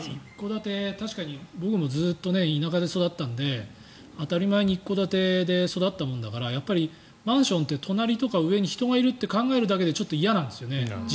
僕もずっと田舎で育ったので当たり前に一戸建てで育ったものだからマンションって隣とか上に人がいると考えるだけで実はちょっと嫌なんですよね。